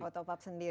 oh top up sendiri